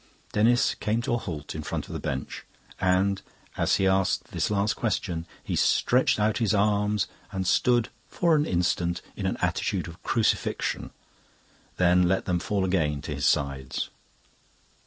Denis came to a halt in front of the bench, and as he asked this last question he stretched out his arms and stood for an instant in an attitude of crucifixion, then let them fall again to his sides.